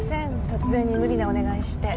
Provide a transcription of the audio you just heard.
突然に無理なお願いして。